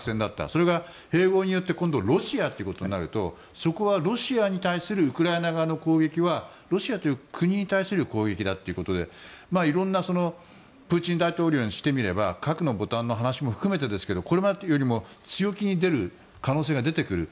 それが併合によって今度ロシアということになるとそこはロシアに対するウクライナ側の攻撃はロシアという国に対する攻撃だということでいろいろなそのプーチン大統領にしてみれば核のボタンの話も含めてですがこれまでよりも強気に出る可能性が出てくる。